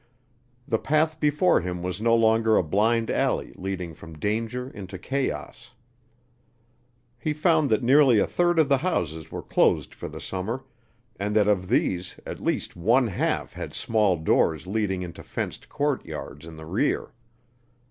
The path before him was no longer a blind alley leading from danger into chaos. He found that nearly a third of the houses were closed for the summer, and that of these at least one half had small doors leading into fenced courtyards in the rear.